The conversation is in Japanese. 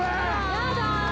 ・やだ